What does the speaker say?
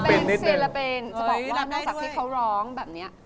ที่เป็นที่เชียร์อันเป็นจะบอกว่านักศักดิ์ที่เขาร้องแบบนี้